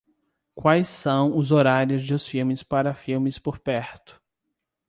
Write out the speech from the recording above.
Quais são os horários dos filmes para filmes por perto?